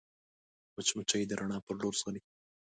مچمچۍ د رڼا پر لور ځغلي